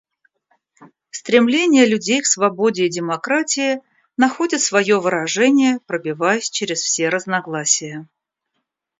Стремление людей к свободе и демократии находит свое выражение, пробиваясь через все разногласия.